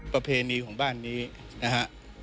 ประเพณีของบ้านนี้นะฮะ